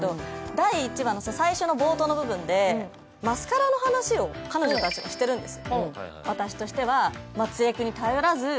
第１話の最初の冒頭の部分でマスカラの話を彼女たちはしているんです。